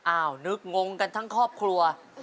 นึกงกันทั้งครอบครัว